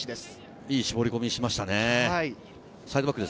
いい絞り込みしましたね。